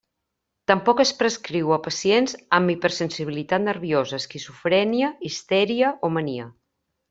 Tampoc es prescriu a pacients amb hipersensibilitat nerviosa, esquizofrènia, histèria o mania.